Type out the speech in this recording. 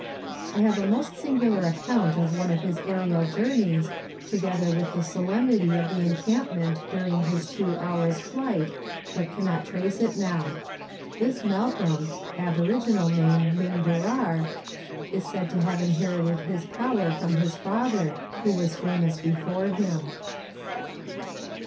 I have a most singular account of one of his serial journeys, together with the solemnity of the encampment during his two hours' flight, but cannot trace it now. This Malcolm (aboriginal name Myngderrar) is said to have inherited this power from his father, who was famous before him.